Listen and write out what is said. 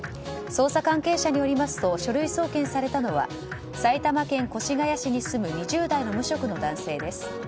捜査関係者によりますと書類送検されたのは埼玉県越谷市に住む２０代の無職の男性です。